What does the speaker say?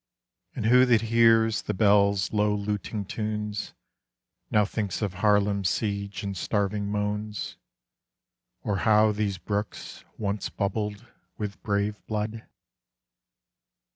And who that hears the bells' low luting tunes, Now thinks of Haarlem's siege and starving moans, Or how these brooks once bubbled with brave blood?